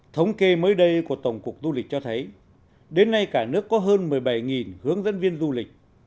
thống kê mới đây của tổng cục du lịch cho thấy đến nay cả nước có hơn một mươi bảy hướng dẫn viên du lịch